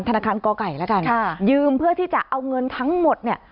ธนาคารกไก่แล้วกันค่ะยืมเพื่อที่จะเอาเงินทั้งหมดเนี่ย